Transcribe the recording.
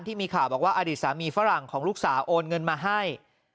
ที่มีข่าวบอกว่าอดีตสามีฝรั่งของลูกสาวโอนเงินมาให้